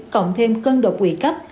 cộng thêm cân đột quỵ cấp